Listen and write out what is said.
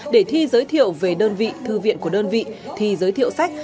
để thi giới thiệu về đơn vị thư viện của đơn vị thi giới thiệu sách